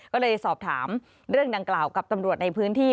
ก็เลยสอบถามเรื่องดังกล่าวกับตำรวจในพื้นที่